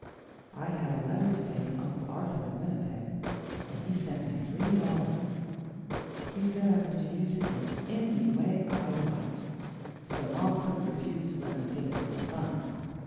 I had a letter to day from Uncle Arthur in Winnipeg, and he sent me three dollars. He said I was to use it ANY way I liked, so ma couldn't refuse to let me give it to the fund.